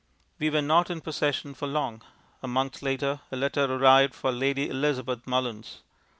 We were not in possession for long. A month later a letter arrived for Lady Elizabeth Mullins.